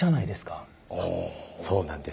そうなんです。